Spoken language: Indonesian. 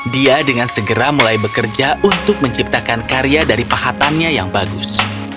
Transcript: dia dengan segera mulai bekerja untuk menciptakan karya dari pahatannya yang bagus